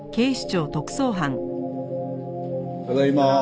ただいま。